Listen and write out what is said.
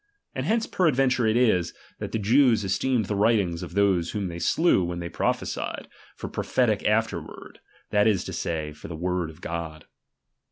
And hence peradventure it is, that the Jews esteemed the writings of those whom they slew when they prophesied, for prophetic after ward ; that is to say, for the word of God.